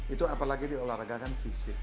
itu apalagi di olahraga kan fisik